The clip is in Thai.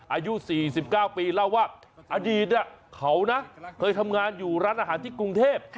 อายุ๔๙ปีเล่าว่าอดีตเขานะเคยทำงานอยู่ร้านอาหารที่กรุงเทพ